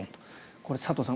これは佐藤さん